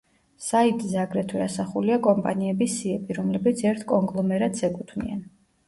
საიტზე აგრეთვე ასახულია კომპანიების სიები, რომლებიც ერთ კონგლომერატს ეკუთვნიან.